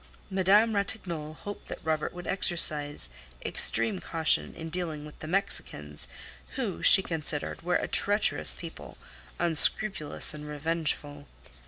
Madame Ratignolle hoped that Robert would exercise extreme caution in dealing with the Mexicans, who, she considered, were a treacherous people, unscrupulous and revengeful.